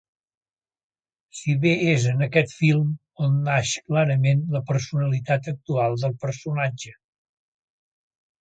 Si bé és en aquest film on naix clarament, la personalitat actual del personatge.